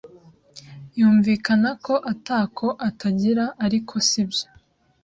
Yumvikana:ko atako atagira ariko sibyo